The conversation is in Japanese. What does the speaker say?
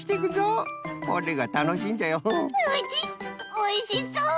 おいしそう！